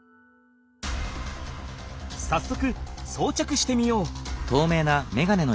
さっそくそうちゃくしてみよう！